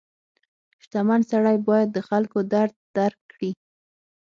• شتمن سړی باید د خلکو درد درک کړي.